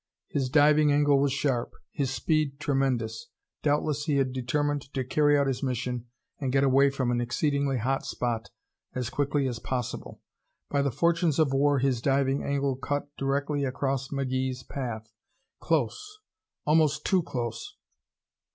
His diving angle was sharp; his speed tremendous. Doubtless he had determined to carry out his mission and get away from an exceedingly hot spot as quickly as possible. By the fortunes of war his diving angle cut directly across McGee's path. Close almost too close!